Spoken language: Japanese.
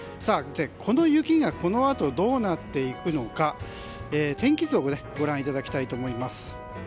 この雪がこのあとどうなっていくのか天気図をご覧いただきたいと思います。